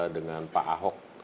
dengan pak ahok